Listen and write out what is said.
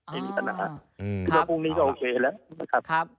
ทีนี้ก็นะพญังพรุ่งนี้ก็โอเคแล้วครับ